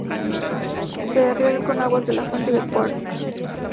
Se riega con aguas de la fuente de Cuart.